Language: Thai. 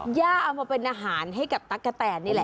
ย่าเอามาเป็นอาหารให้กับตั๊กกะแตนนี่แหละ